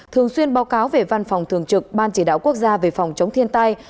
thường xuyên báo cáo về văn phòng thường trực ban chỉ đạo quốc gia về phòng chống thiên tai